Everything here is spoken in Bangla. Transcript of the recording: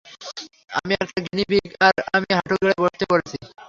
আমি একটা গিনিপিগ, আর আমি হাঁটু গেঁড়ে বসতে বলেছি!